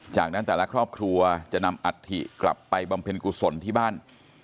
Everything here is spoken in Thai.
จากนั้นแต่ละครอบครัวจะนำอัฐิกลับไปบำเพ็ญกุศลที่บ้าน